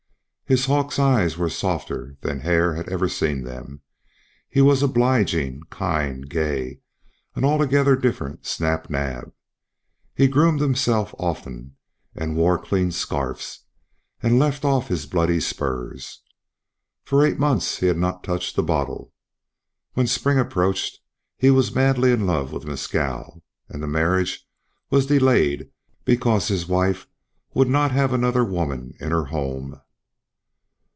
His hawk's eyes were softer than Hare had ever seen them; he was obliging, kind, gay, an altogether different Snap Naab. He groomed himself often, and wore clean scarfs, and left off his bloody spurs. For eight months he had not touched the bottle. When spring approached he was madly in love with Mescal. And the marriage was delayed because his wife would not have another woman in her home.